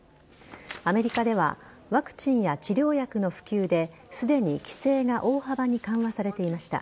アメリカではワクチンや治療薬の普及で、すでに規制が大幅に緩和されていました。